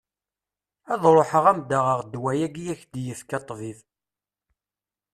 Ad ruḥeɣ ad am-d-aɣeɣ ddwa-agi i ak-d-yefka ṭṭbib.